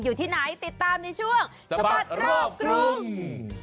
อยู่ที่ไหนติดตามในช่วงสะบัดรอบกรุง